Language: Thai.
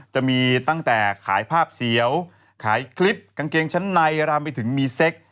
จะมีตั้งแต่ขายภาพเสียวขายคลิปกางเกงชั้นในรามไปถึงมีเซ็ก